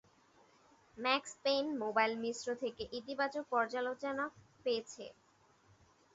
Max Payne mobile মিশ্র থেকে ইতিবাচক পর্যালোচনা পেয়েছে।